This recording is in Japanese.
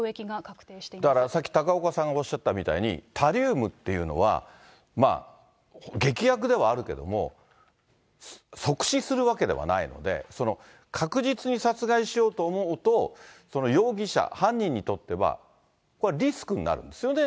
だから、さっき高岡さんがおっしゃったみたいに、タリウムっていうのは、まあ、劇薬ではあるけれども、即死するわけではないので、確実に殺害しようと思うと、容疑者、犯人にとっては、これはリスクになるんですよね。